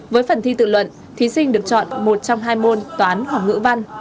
với phần thi tự luận thí sinh được chọn một trong hai môn toán học ngữ văn